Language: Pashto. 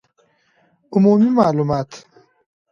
عمومي معلومات